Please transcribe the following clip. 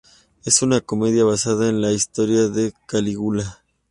Es una comedia basada en la historia de Calígula.